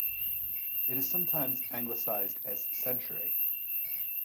It is sometimes anglicized as century.